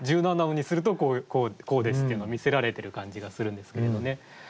１７音にするとこうですっていうのを見せられてる感じがするんですけれどね。